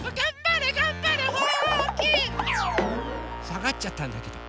さがっちゃったんだけど。